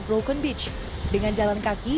roken beach dengan jalan kaki